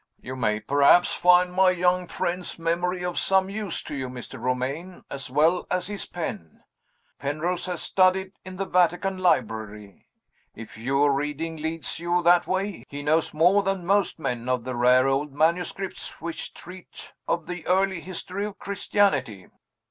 "You may perhaps find my young friend's memory of some use to you, Mr. Romayne, as well as his pen. Penrose has studied in the Vatican Library. If your reading leads you that way, he knows more than most men of the rare old manuscripts which treat of the early history of Christianity."